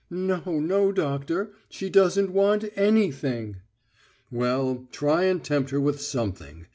"No, no, doctor; she doesn't want anything." "Well, try and tempt her with something....